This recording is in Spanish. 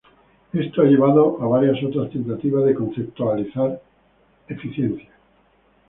Esto ha llevado a varias otras tentativas de conceptualizar eficiencia.